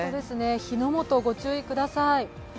火の元、ご注意ください。